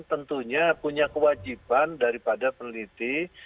tentunya punya kewajiban daripada peneliti